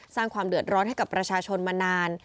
สร้างความเดือดร้อนให้กับประชาชนมานาน